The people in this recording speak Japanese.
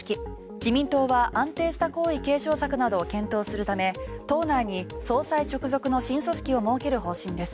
自民党は安定した皇位継承策などを検討するため党内に総裁直属の新組織を設ける方針です。